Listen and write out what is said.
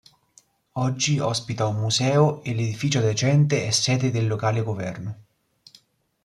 Oggi ospita un museo, e l'edificio adiacente è sede del locale governo.